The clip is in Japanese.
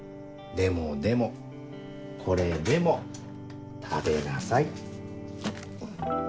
でもでもこれでも食べなさい。